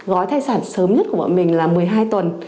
gói thai sản sớm nhất của bọn mình là một mươi hai tuần